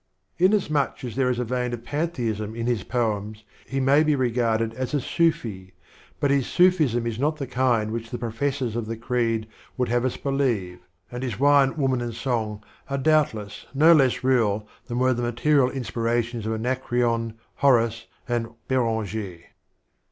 Insomuch as there is a vein of Pantheism in his poems he may be regarded as a Sufi, but his Sufism is not the kind which the professors of the creed would have us believe, and his wine, woman and song are doubtless no less real than were the material inspirations of Anacreon, Horace and Beranger.